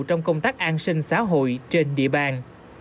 trong công tác an sinh xã hội trên địa bàn